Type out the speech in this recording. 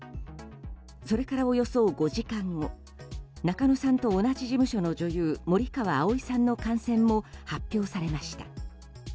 それからおよそ５時間後仲野さんと同じ事務所の女優森川葵さんの感染も発表されました。